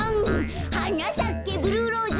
「はなさけブルーローズ」